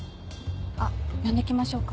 あっ呼んできましょうか？